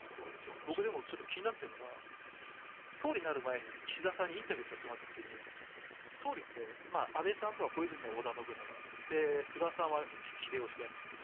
僕気になっているのが総理になる前に岸田さんにインタビューさせてもらった時に総理って、安倍さんとか小泉さんとかは織田信長菅さんは秀吉だと。